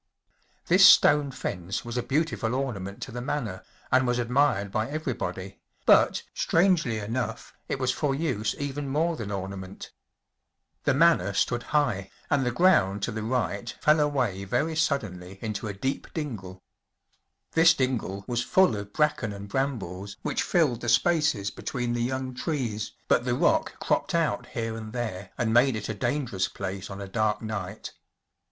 This stone fence was a beautiful orna¬ ment to the manor and was admired by everybody, but, strangely enough, it was for use even more than ornament. The manor stood high, and the ground to the right fell away very suddenly into a deep UNIVERSITY OF MICHIGAN THE STRAND MAGAZINE. 633 dingle. This dingle was full of bracken and brambles which filled the spaces between the young trees, hut the rock cropped out here and there and made it a dangerous place on a dark night.